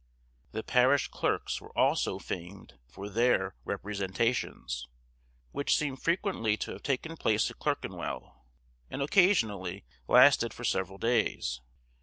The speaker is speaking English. The parish clerks were also famed for their representations, which seem frequently to have taken place at Clerkenwell, and occasionally lasted for several days.